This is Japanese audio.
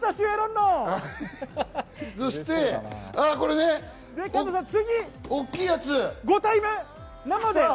そしてこれね、大きいやつ。